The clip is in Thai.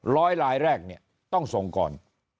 ร้อยลายแรกเนี่ยต้องส่งก่อน